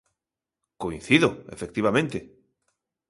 Coincido, efectivamente.